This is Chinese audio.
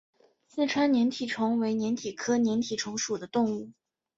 四川粘体虫为粘体科粘体虫属的动物。